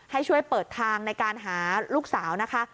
ให้ช่วยเปิดทางในการหาลูกสาวนะคะ